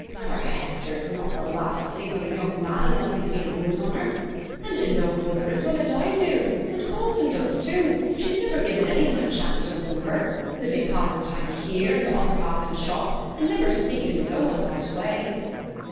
'Our Hester's not th' lass to think on a young man unless he's been a wooing on her. And yo' know, mother, as well as I do and Coulson does too she's niver given any one a chance to woo her; living half her time here, and t' other half in t' shop, and niver speaking to no one by t' way.'